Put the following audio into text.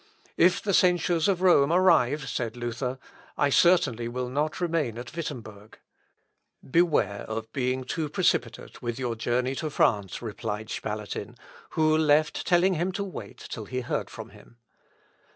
"If the censures of Rome arrive," said Luther, "I certainly will not remain at Wittemberg." "Beware," "of being too precipitate with your journey to France," replied Spalatin, who, left telling him to wait till he heard from him.